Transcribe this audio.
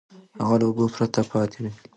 هغه له اوبو پرته پاتې دی.